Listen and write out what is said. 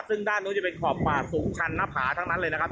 ซึ่งด้านนู้นจะเป็นขอบป่าสูงชันหน้าผาทั้งนั้นเลยนะครับ